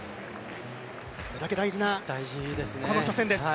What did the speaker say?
それだけ大事なこの初戦です。